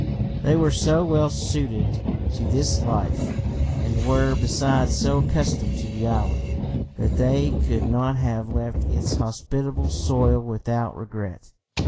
They were so well suited to this life, and were, besides, so accustomed to the island, that they could not have left its hospitable soil without regret!